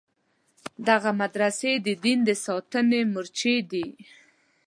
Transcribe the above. دغه مدرسې د دین د ساتنې مورچې دي.